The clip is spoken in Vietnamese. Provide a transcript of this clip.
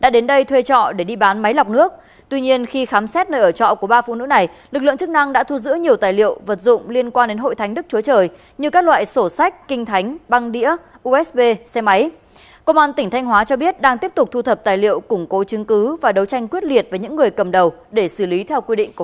hãy đăng ký kênh để ủng hộ kênh của chúng mình nhé